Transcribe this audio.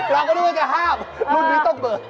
เราก็รู้ว่าจะห้ามรุ่นนี้ต้องเบิก